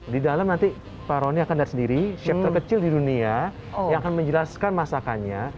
di dalam nanti pak rony akan lihat sendiri chef terkecil di dunia yang akan menjelaskan masakannya